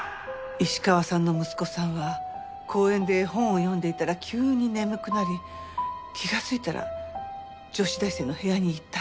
石川さんの息子さんは公園で本を読んでいたら急に眠くなり気がついたら女子大生の部屋にいた。